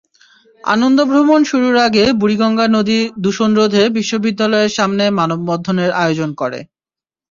আনন্দভ্রমণ শুরুর আগে বুড়িগঙ্গা নদী দূষণরোধে বিশ্ববিদ্যালয়ের সামনে মানববন্ধনের আয়োজন করে।